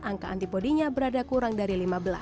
angka antibody nya berada kurang dari lima belas